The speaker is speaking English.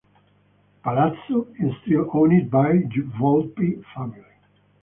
The palazzo is still owned by the Volpi family.